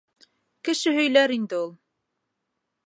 — Кеше һөйләр инде ул!